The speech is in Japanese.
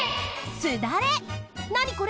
すだれ！